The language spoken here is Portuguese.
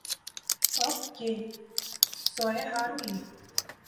Ok, só é raro ir